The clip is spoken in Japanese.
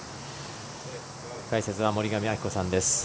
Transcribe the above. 解説は森上亜希子さんです。